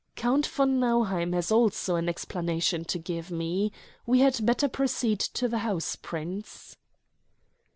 "Count von Nauheim has also an explanation to give me. We had better proceed to the house, Prince."